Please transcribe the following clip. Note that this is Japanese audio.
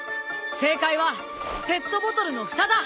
正解はペットボトルのふただ！